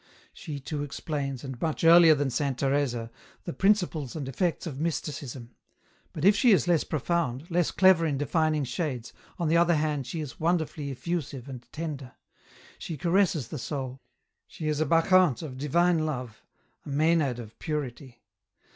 She too explains, and much earlier than Saint Teresa, the princi ples and effects of Mysticism ; but if she is less profound, less clever in defining shades, on the other hand she is wonder fully effusive and tender. She caresses the soul ; she is a Bacchante of divine love, a Maenad of purity.